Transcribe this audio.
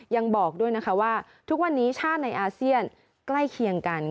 ยังบอกด้วยนะคะว่าทุกวันนี้ชาติในอาเซียนใกล้เคียงกัน